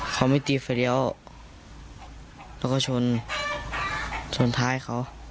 เขาไม่ตีไฟเลี้ยวแล้วก็ชนชนท้ายเขา